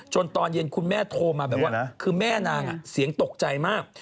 ตอนเย็นคุณแม่โทรมาแบบว่าคือแม่นางเสียงตกใจมาก